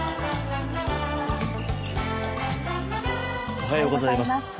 おはようございます。